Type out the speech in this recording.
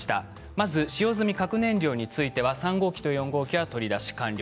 まず使用済み核燃料については３号機と４号機は取り出し完了。